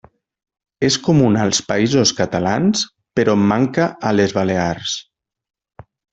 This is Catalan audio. És comuna als Països Catalans, però manca a les Balears.